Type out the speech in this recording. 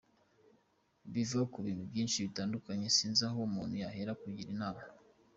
biva kubintu byishi bitandukanye sinzi aho umuntu yahera akugira inama.